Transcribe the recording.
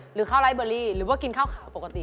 หรือข้าวไลฟ์เบอรี่หรือว่ากินข้าวขาวปกติ